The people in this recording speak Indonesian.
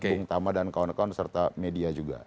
bung tama dan kawan kawan serta media juga